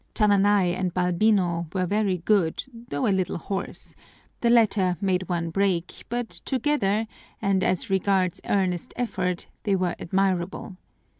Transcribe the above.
Chananay and Balbino were very good, though a little hoarse; the latter made one break, but together, and as regards earnest effort, they were admirable.